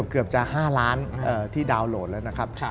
เกือบจะ๕ล้านที่ดาวน์โหลดแล้วนะครับ